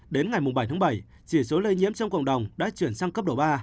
đến ngày bảy tháng bảy chỉ số lây nhiễm trong cộng đồng đã chuyển sang cấp độ ba